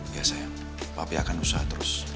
iya sayang papi akan usah terus